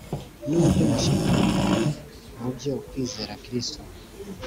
n’uburyo mushikamye mu byo kwizera Kristo